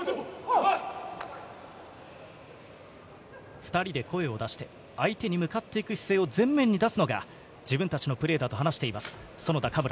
２人で声を出して相手に向かっていく姿勢を前面に出すのが自分たちのプレーだと話しています、園田・嘉村。